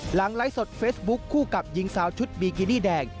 ไลฟ์สดเฟซบุ๊คคู่กับหญิงสาวชุดบีกินี่แดง